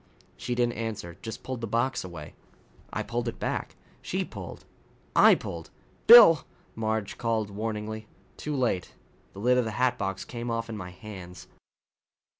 She didn't answer. Just pulled the box away. I pulled it back. She pulled. I pulled. "Bill " Marge called warningly. Too late. The lid of the hatbox came off in my hands.